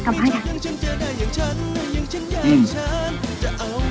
ไปกลับมาก่อน